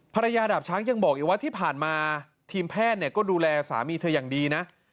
ภรรยาดาบช้างยังบอกว่าที่ผ่านมาทีมแพทย์ดูแลสามีเธอยังดีนะ